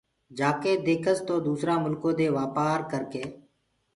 جآڪي ديکس تو دوٚسرآ مُلڪو دي وآپآر ڪرڪي